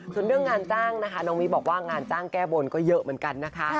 ส่วนเรื่องงานจ้างนะคะน้องมิบอกว่างานจ้างแก้บนก็เยอะเหมือนกันนะคะ